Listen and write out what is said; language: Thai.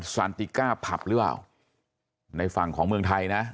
ซานติก้าผับหรือเปล่าในฝั่งของเมืองไทยนะ